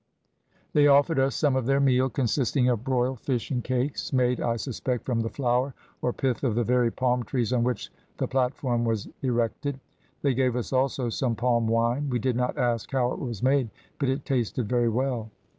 "They offered us some of their meal, consisting of broiled fish and cakes, made, I suspect, from the flour, or pith of the very palm trees on which the platform was erected. They gave us also some palm wine; we did not ask how it was made, but it tasted very well.